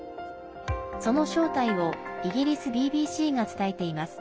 その正体をイギリスＢＢＣが伝えています。